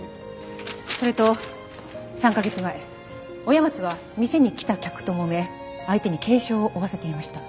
それと３カ月前親松は店に来た客ともめ相手に軽傷を負わせていました。